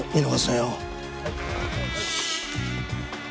よし。